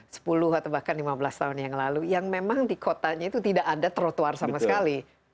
sepuluh atau bahkan lima belas tahun yang lalu yang memang di kotanya itu tidak ada trotoar sama sekali